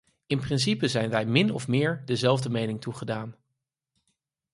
In principe zijn wij min of meer dezelfde mening toegedaan.